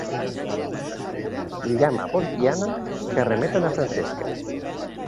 Llama boliviana que remet a na Francesca.